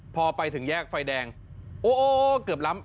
พอไปถึงแยกไฟแดงโอ้โหโอ้โหเกือบล้ำ